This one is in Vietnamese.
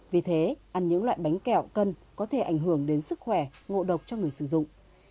vì thế ăn những loại bánh kẹo cân có thể ảnh hưởng đến sức khỏe ngộ độc cho người sử dụng